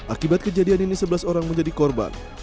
akibat kejadian ini sebelas orang menjadi korban